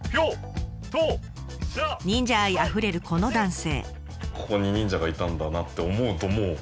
忍者愛あふれるこの男性。